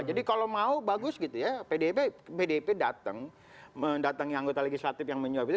jadi kalau mau bagus gitu ya pdp datang datang anggota legislatif yang menyuap itu